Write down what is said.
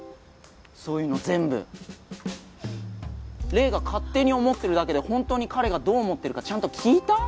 そういうの全部黎が勝手に思ってるだけでホントに彼がどう思ってるかちゃんと聞いた？